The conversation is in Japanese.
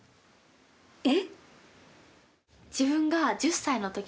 えっ？